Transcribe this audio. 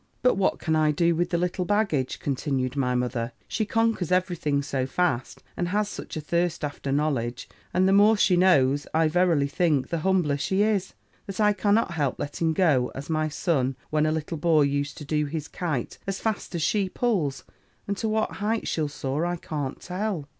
"'But what can I do with the little baggage?' continued my mother; 'she conquers every thing so fast, and has such a thirst after knowledge, and the more she knows, I verily think, the humbler she is, that I cannot help letting go, as my son, when a little boy, used to do to his kite, as fast as she pulls; and to what height she'll soar, I can't tell.